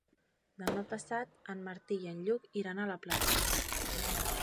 Demà passat en Martí i en Lluc iran a la platja.